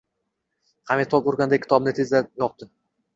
Hamid tok urgandek kitobni tezda yopdi